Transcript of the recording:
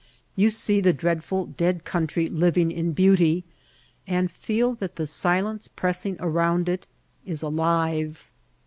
You see the dreadful, dead country living in beauty, and feel that the silence pressing around it is alive.